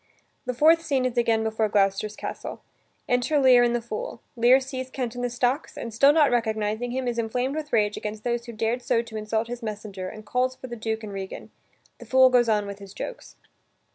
The fourth scene is again before Gloucester's castle. Enter Lear and the fool. Lear sees Kent in the stocks, and, still not recognizing him, is inflamed with rage against those who dared so to insult his messenger, and calls for the Duke and Regan. The fool goes on with his jokes.